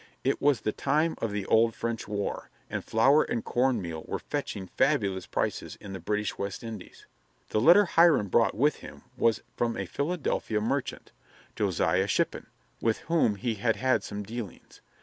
It was the time of the old French war, and flour and corn meal were fetching fabulous prices in the British West Indies. The letter Hiram brought with him was from a Philadelphia merchant, Josiah Shippin, with whom he had had some dealings. Mr.